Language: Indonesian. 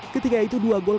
ketika itu dua gol kapten